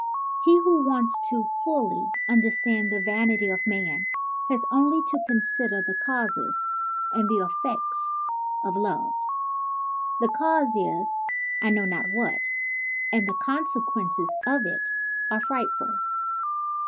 "He who wants a full understanding of the vanity of man has only to consider the causes and the effects of love. The cause is ' I know not what '; and the consequences of it are frightful.